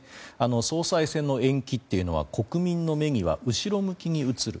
総裁選の延期というのは国民の目には後ろ向きに映る。